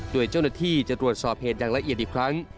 โดยเจ้าหน้าที่จะตรวจสอบเหตุอย่างละเอียดอีกครั้ง